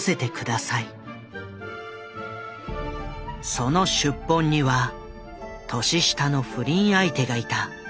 その出奔には年下の不倫相手がいた。